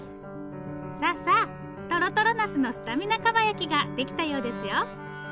さあさあとろとろナスのスタミナかば焼きができたようですよ。